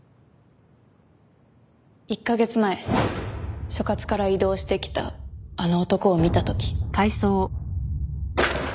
１カ月前所轄から異動してきたあの男を見た時。